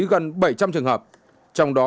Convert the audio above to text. gần bảy trăm linh trường hợp trong đó